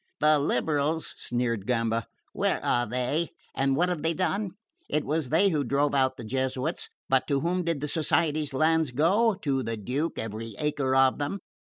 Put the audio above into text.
"The liberals!" sneered Gamba. "Where are they? And what have they done? It was they who drove out the Jesuits; but to whom did the Society's lands go? To the Duke, every acre of them!